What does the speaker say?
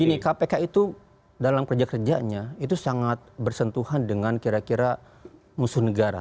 gini kpk itu dalam kerja kerjanya itu sangat bersentuhan dengan kira kira musuh negara